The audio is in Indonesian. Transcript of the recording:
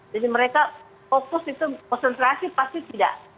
jadi mereka fokus itu konsentrasi pasti tidak